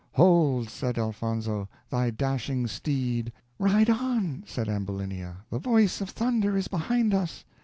"Hold," said Elfonzo, "thy dashing steed." "Ride on," said Ambulinia, "the voice of thunder is behind us."